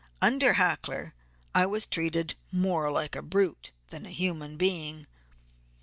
Under Hackler I was treated more like a brute than a human being.